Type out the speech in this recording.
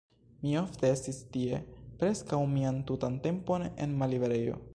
Mi ofte estis tie, preskaŭ mian tutan tempon en malliberejo.